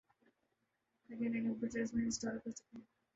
تاکہ نئی کمپیوٹرز میں انسٹال کر سکیں